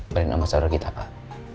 brand ambassador kita pak